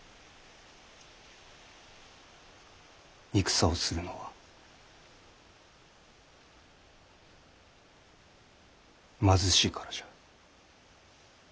戦をするのは貧しいからじゃ。